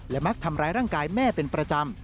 มักทำร้ายร่างกายแม่เป็นประจำ